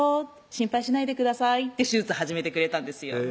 「心配しないでください」って手術始めてくれたんですよ